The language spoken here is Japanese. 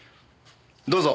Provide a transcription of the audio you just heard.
どうぞ。